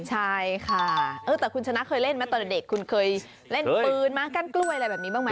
ใช่ค่ะแต่คุณชนะเคยเล่นไหมตอนเด็กคุณเคยเล่นปืนไหมกั้นกล้วยอะไรแบบนี้บ้างไหม